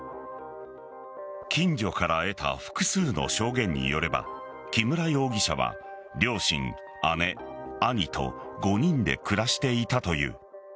近所から得た複数の証言によれば木村容疑者は両親、姉、兄と５人で暮らしていたという。